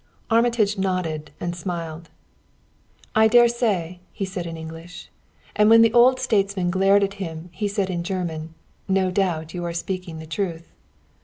Armitage nodded and smiled. "I dare say," he said in English; and when the old statesman glared at him he said in German: "No doubt you are speaking the truth."